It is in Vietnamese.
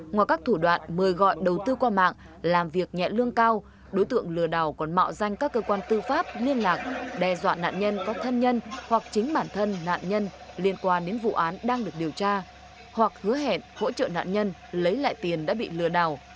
ngoài các thủ đoạn mời gọi đầu tư qua mạng làm việc nhẹ lương cao đối tượng lừa đảo còn mạo danh các cơ quan tư pháp liên lạc đe dọa nạn nhân có thân nhân hoặc chính bản thân nạn nhân liên quan đến vụ án đang được điều tra hoặc hứa hẹn hỗ trợ nạn nhân lấy lại tiền đã bị lừa đảo